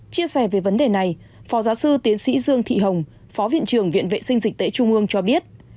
chia sẻ về vấn đề này phó giáo sư tiến sĩ dương thị hồng phó viện trưởng viện vệ sinh dịch tễ trung ương cho biết